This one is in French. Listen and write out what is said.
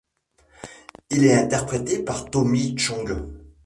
Il est interprété par Tommy Chong.